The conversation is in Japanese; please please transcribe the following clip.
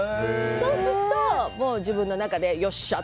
そうすると、もう自分の中でよっしゃ！